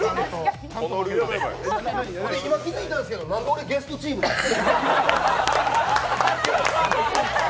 俺、今気づいたんですけど俺なんでゲストチームなんすか？